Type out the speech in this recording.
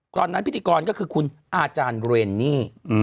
ก่อนนั้นพิธีกรก็คือคุณอาจารย์เรนนี่